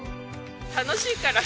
楽しいから。